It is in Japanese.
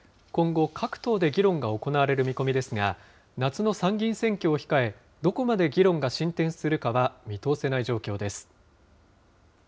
今後、各党で議論が行われる見込みですが、夏の参議院選挙を控え、どこまで議論が進展するかは見通せない状況です。